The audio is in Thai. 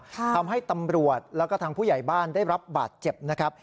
ทำให้ตำรวจแล้วก็ทางผู้ใหญ่บ้านได้รับบาดเจ็บนะครับ